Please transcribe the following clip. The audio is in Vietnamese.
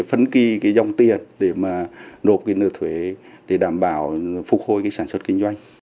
phân kỳ dòng tiền để nộp nợ thuế để đảm bảo phục hồi sản xuất kinh doanh